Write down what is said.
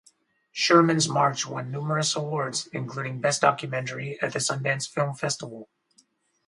"Sherman's March" won numerous awards, including Best Documentary at the Sundance Film Festival.